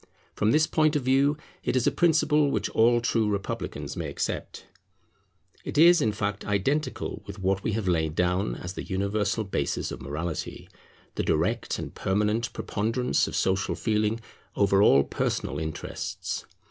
From this point of view it is a principle which all true republicans may accept. It is, in fact, identical with what we have laid down as the universal basis of morality, the direct and permanent preponderance of social feeling over all personal interests.